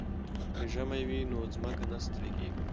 که ژمی وي نو ځمکه نه ستړې کیږي.